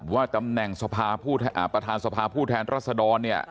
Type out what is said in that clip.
ว่าตำแหน่งประธานสภาผู้แทนรัศดรเนี่ย